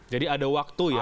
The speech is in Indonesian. jadi ada waktu ya